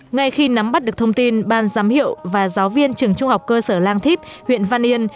ngay khi nắm bắt được thông tin ban giám hiệu và giáo viên trường trung học cơ sở lang thíp huyện văn yên